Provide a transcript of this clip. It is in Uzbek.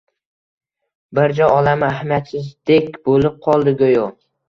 Birja olami ahamiyatsizdek bo`lib qoldi, go`yo